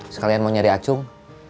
sekalian mau nyari acung